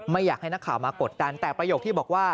ไม่อยากให้นักข่าวมากดดันแต่ประโยคที่บอกว่า